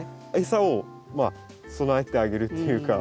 餌を備えてあげるっていうか。